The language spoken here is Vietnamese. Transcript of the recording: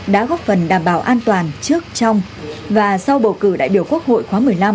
đã góp phần đảm bảo an toàn trước trong và sau bầu cử đại biểu quốc hội khóa một mươi năm